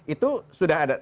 itu sudah ada